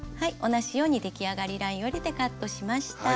同じようにできあがりラインを入れてカットしました。